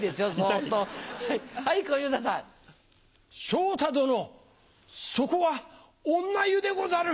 昇太殿そこは女湯でござる！